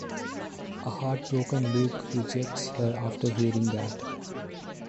A heartbroken Luke rejects her after hearing that.